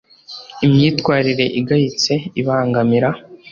imyitwarire igayitse ibangamira